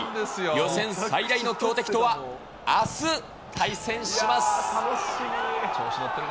予選最大の強敵とはあす対戦します。